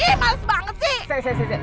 ih males banget sih